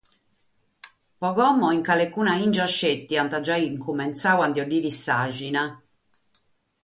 Pro immoe feti carchi bìngia est giai incumentzada sa regorta de s’àghina.